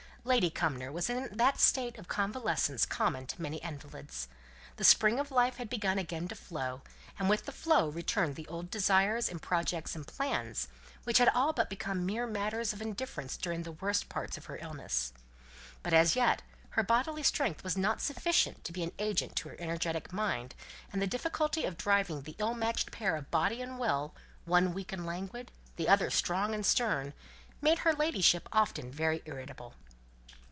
Lady Cumnor was in that state of convalescence common to many invalids. The spring of life had begun again to flow, and with the flow returned the old desires and projects and plans, which had all become mere matters of indifference during the worst part of her illness. But as yet her bodily strength was not sufficient to be an agent to her energetic mind, and the difficulty of driving the ill matched pair of body and will the one weak and languid, the other strong and stern, made her ladyship often very irritable.